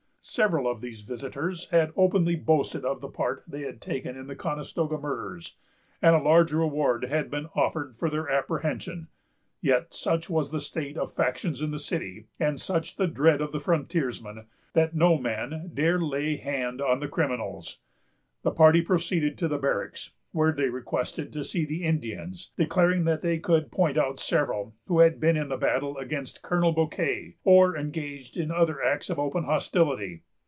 Several of these visitors had openly boasted of the part they had taken in the Conestoga murders, and a large reward had been offered for their apprehension; yet such was the state of factions in the city, and such the dread of the frontiersmen, that no man dared lay hand on the criminals. The party proceeded to the barracks, where they requested to see the Indians, declaring that they could point out several who had been in the battle against Colonel Bouquet, or engaged in other acts of open hostility.